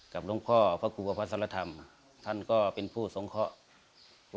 หลวงพ่อพระครูประพัสรธรรมท่านก็เป็นผู้สงเคราะห์